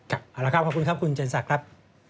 เอาละครับขอบคุณครับคุณเจนศักดิ์ครับ